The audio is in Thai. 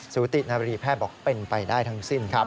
สูตินารีแพทย์บอกเป็นไปได้ทั้งสิ้นครับ